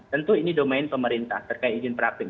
tentu ini domain pemerintah terkait ijin praktek